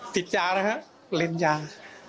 ติดจางนะครับเล่นจาง